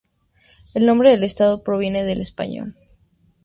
El nombre del estado proviene del español.